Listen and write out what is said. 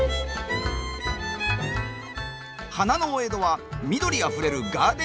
花のお江戸は緑あふれるガーデニングシティー。